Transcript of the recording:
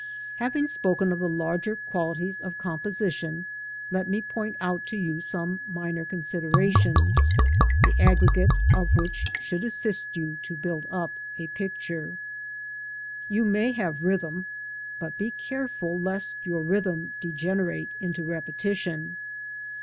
\\^^ Having spoken of the larger qualities of composition, let me point out to you some minor considerations, the aggregate of which should assist you to build up a picture. You may have rh)rthm, but be careful lest your rhythm degenerate into repetition.